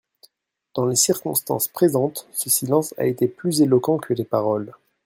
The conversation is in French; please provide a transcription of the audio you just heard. Dans les circonstances présentes, ce silence a été plus éloquent que les paroles.